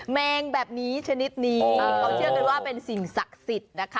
แมงแบบนี้ชนิดนี้เขาเชื่อกันว่าเป็นสิ่งศักดิ์สิทธิ์นะคะ